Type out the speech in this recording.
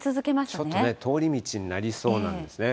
ちょっとね、通り道になりそうなんですね。